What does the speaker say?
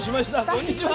こんにちは！